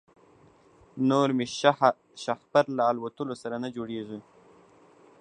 نور مي شهپر له الوتلو سره نه جوړیږي